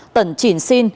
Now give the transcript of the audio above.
tần chỉn sinh